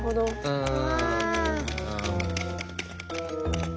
うん。